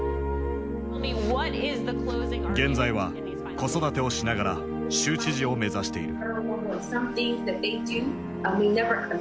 現在は子育てをしながら州知事を目指している。